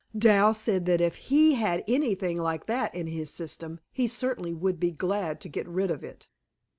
Dal said that if HE had anything like that in his system he certainly would be glad to get rid of it.